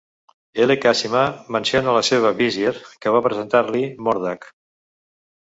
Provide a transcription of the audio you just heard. I Cassima menciona la seva Vizier, que va presentar-li Mordack.